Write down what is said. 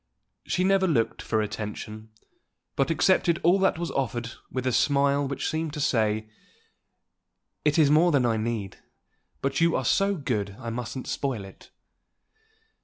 She never looked for attention, but accepted all that was offered with a smile which seemed to say, "It is more than I need, but you are so good I mustn't spoil it."